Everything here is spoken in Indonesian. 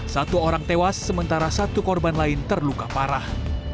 satu orang tewas sementara satu korban lain terluka parah